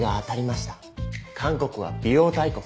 韓国は美容大国。